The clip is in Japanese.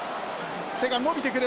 手が伸びてくる。